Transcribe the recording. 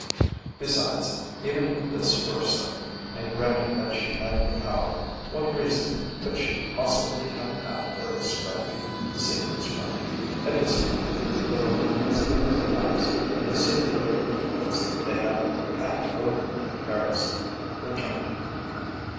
Besides, even if this were so, and granted that she had the power, what reason could she possibly have had for extracting secrets from me? At this point the remembrance of her eyes and the singular influence they had had over me in Paris, returned to me.